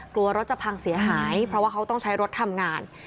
กลัวรถจะพังเสียหายเพราะว่าเขาต้องใช้รถทำงาน